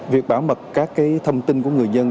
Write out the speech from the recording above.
việc bảo mật các thông tin của người dân